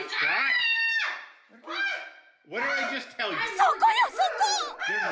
そこよ、そこ！